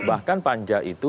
bahkan panja itu